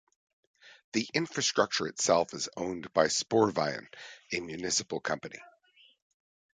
The infrastructure itself is owned by Sporveien, a municipal company.